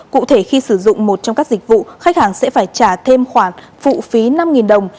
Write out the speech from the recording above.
cụ thể khi sử dụng một trong các dịch vụ khách hàng sẽ phải trả thêm khoản phụ phí năm đồng